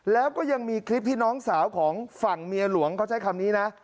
แล้วก็ยังมีคลิปที่น้องสาวของฝั่งเมียหลวงเขาใช้คำนี้นะ